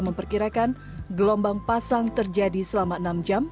memperkirakan gelombang pasang terjadi selama enam jam